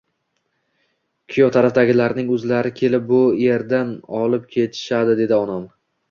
Kuyov tarafdagilarning o`zlari kelib bu erdan olib ketishadi, dedi onam